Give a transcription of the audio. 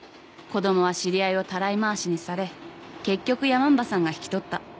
子供は知り合いをたらい回しにされ結局ヤマンバさんが引き取った。